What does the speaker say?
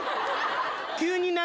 急に何？